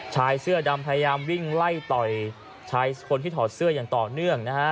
ชายเสื้อดำพยายามวิ่งไล่ต่อยชายคนที่ถอดเสื้ออย่างต่อเนื่องนะฮะ